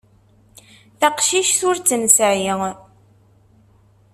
Taqcict ur tt-nesɛi.